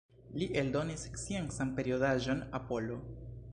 Li eldonis sciencan periodaĵon „Apollo”.